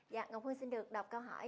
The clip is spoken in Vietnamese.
dạ ngọc hương xin được đọc câu hỏi